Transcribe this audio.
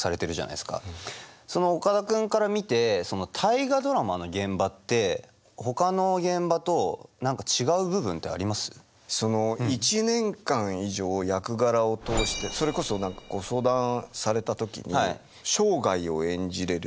その岡田君から見てその１年間以上役柄を通してそれこそ何か相談された時に生涯を演じれる。